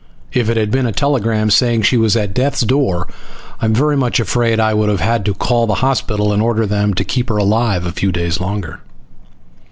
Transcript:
If it had been a telegram saying she was at death's door I'm very much afraid I would have had to call the hospital and order them to keep her alive a few days longer.